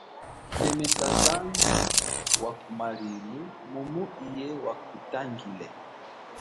Lemesa zambi wa kumalilu mumu iye wa kutangile.